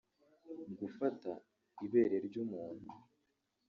gufata ibere ry’umuntu